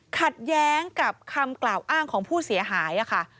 ขัดแย้งกับคำกล่าวอ้างของผู้เสียหายค่ะ